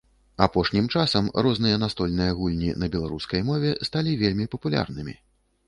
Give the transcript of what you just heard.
Апошнім часам розныя настольныя гульні на беларускай мове сталі вельмі папулярнымі.